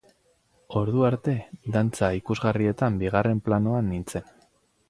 Ordu arte, dantza ikusgarrietan bigarren planoan nintzen.